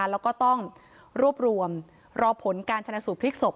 แล้วก็ต้องรวบรวมรอผลการชนะสูตรพลิกศพ